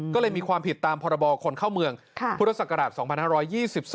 ก็เลยมีความผิดตามพรบคนเข้าเมืองพุทธศักราช๒๕๒๒